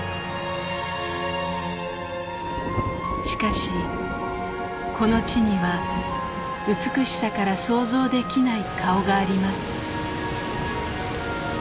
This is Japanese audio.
しかしこの地には美しさから想像できない顔があります。